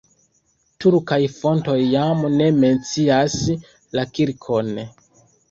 Turkaj fontoj jam ne mencias la kirkon.